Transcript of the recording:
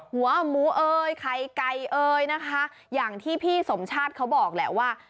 หัวหมูเอ่ยไข่ไก่เอ๋ยนะคะอย่างที่พี่สมชาติเขาบอกแหละว่า